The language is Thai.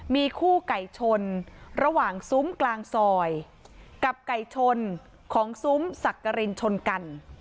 มีคู่ไก่ชนระหว่างซุ้มกลางซอยกับไก่ชนของซุ้มสักกรินชนกัน